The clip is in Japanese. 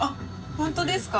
本当ですか？